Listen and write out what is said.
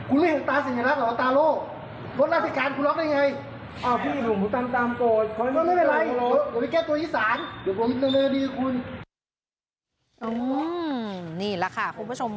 นี่แหละค่ะคุณผู้ชม